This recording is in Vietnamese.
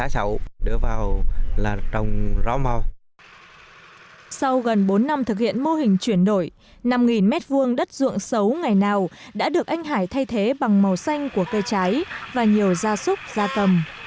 sau gần bốn năm thực hiện mô hình chuyển đổi năm m hai đất ruộng xấu ngày nào đã được anh hải thay thế bằng màu xanh của cây trái và nhiều gia súc gia cầm